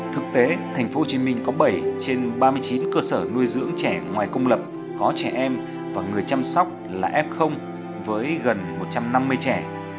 thực tế thành phố hồ chí minh có bảy trên ba mươi chín cơ sở nuôi dưỡng trẻ ngoài công lập có trẻ em và người chăm sóc là f với gần một trăm năm mươi trẻ